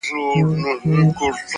o د شاعرۍ ياري كړم ـ